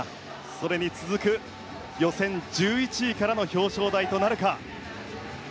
それに続く予選１１位からの表彰台となるか。